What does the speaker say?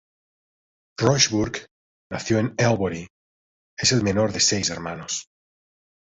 Roxburgh nació en Albury, es el menor de seis hermanos.